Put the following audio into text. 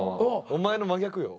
お前の真逆よ。